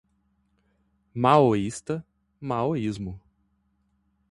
Maoísta, maoísmo